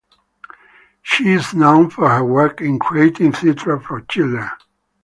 She is known for her work in creating theatre for children.